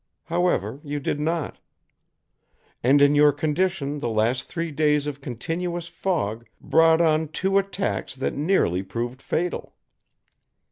However, you did not; and in your condition the last three days of continuous fog brought on two attacks that nearly proved fatal.